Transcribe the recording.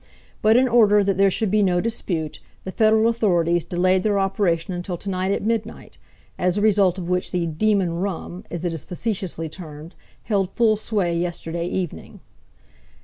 But in order that there should be no dispute, the Federal authorities delayed their operation until to night at midnight, as a result of which the "demon rum", as it is facetiously termed, held full sway yesterday evening.